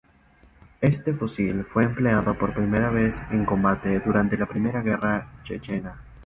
Este fusil fue empleado por primera vez en combate durante la Primera Guerra Chechena.